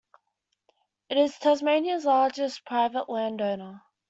It is Tasmania's largest private land-owner.